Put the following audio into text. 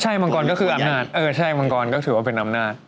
ใช่มังกรก็คืออำนาจเออใช่มังกรก็ถือว่าเป็นอำนาจ